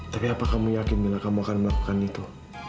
tapi apa kamu yakin mila kamu akan melakukan itu